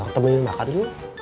aku temenin makan dulu